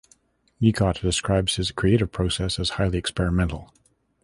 Nicot describes his creative process as highly experimental.